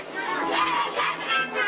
やめてくださーい！